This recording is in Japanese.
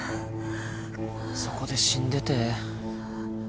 そこで死んでて。